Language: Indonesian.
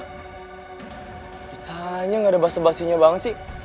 ditanya gak ada basa basinya banget sih